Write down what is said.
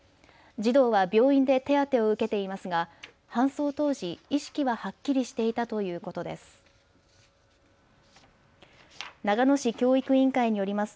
児童は病院で手当てを受けていますが搬送当時、意識ははっきりしていたということです。